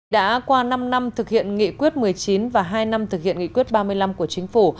đã qua năm năm thực hiện nghị quyết một mươi chín và hai năm thực hiện nghị quyết ba mươi năm của chính phủ